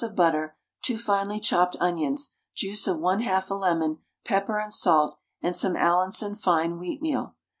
of butter, 2 finely chopped onions, juice of 1/2 a lemon, pepper and salt, and some Allinson fine wheatmeal.